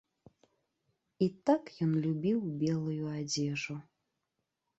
І так ён любіў белую адзежу.